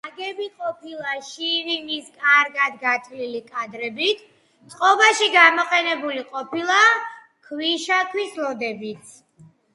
შენობა ნაგები ყოფილა შირიმის კარგად გათლილი კვადრებით, წყობაში გამოყენებული ყოფილა ქვიშაქვის ლოდებიც.